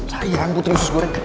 sayang putri usus goreng